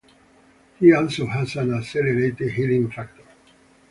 He also has an accelerated healing factor.